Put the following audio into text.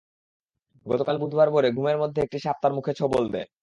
গতকাল বুধবার ভোরে ঘুমের মধ্যে একটি সাপ তার মুখে ছোবল দেয়।